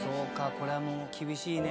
これは厳しいね」